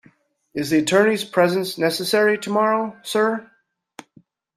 Is the attorney's presence necessary tomorrow, Sir?